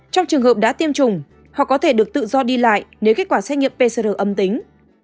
trong trường hợp đã tiêm chủng họ có thể được tự do đi lại nếu kết quả xét nghiệm pcr âm tính